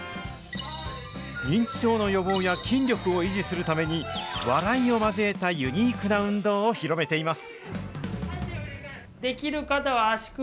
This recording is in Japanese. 認知症の予防や筋力を維持するために、笑いを交えたユニークな運動を広めています。